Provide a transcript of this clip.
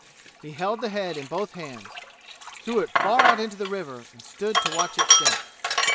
He held the head in both hands, threw it far out into the river and stood to watch it sink.